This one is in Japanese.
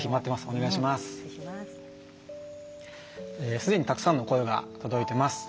既にたくさんの声が届いてます。